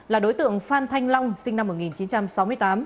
là đối tượng phan thanh long sinh năm một nghìn chín trăm sáu mươi tám